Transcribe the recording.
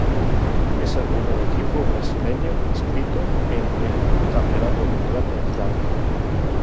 Es el primer equipo brasileño inscrito en el Campeonato Mundial de Rally.